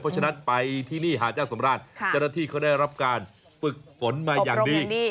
เพราะฉะนั้นไปที่นี่หาเจ้าสำราชเจ้าหน้าที่เขาได้รับการฝึกฝนมาอย่างดี